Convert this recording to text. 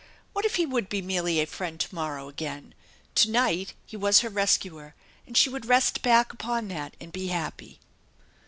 What if he would be merely a friend to morrow again ! To night he was her rescuer, and she would rest back upon that and be happy.